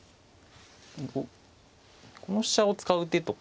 この飛車を使う手とか。